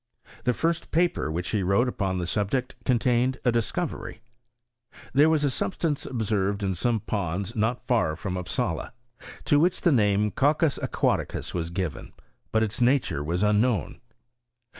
The first paper which he wrote upon the subject contained a discovery. There was a sub stance observed in some ponds not far from Upsala, to which the name of coccus aquations was given, but its nature was unknown.